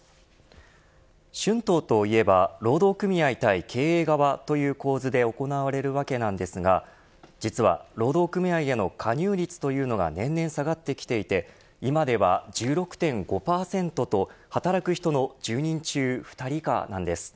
春闘といえば労働組合対経営側という構図で行われるわけなんですが実は、労働組合への加入率というのが年々下がってきていて今では１６．５％と働く人の１０人中２人以下なんです。